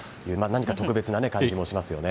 何か特別な感じもしますよね。